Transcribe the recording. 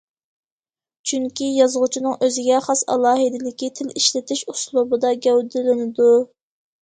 چۈنكى يازغۇچىنىڭ ئۆزىگە خاس ئالاھىدىلىكى تىل ئىشلىتىش ئۇسلۇبىدا گەۋدىلىنىدۇ.